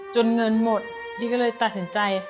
เงินหมดพี่ก็เลยตัดสินใจ